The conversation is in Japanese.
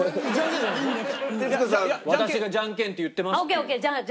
私がじゃんけんって言ってますって。